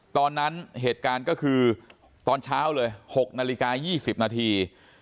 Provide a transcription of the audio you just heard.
ตอนนั้นเหตุการณ์ก็คือตอนเช้าเลย๖นาฬิกา๒๐นาที